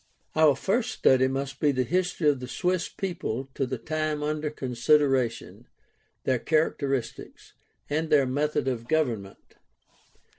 Our first study must be the history of the Swiss people to the time under consideration, their characteristics, and their method of government.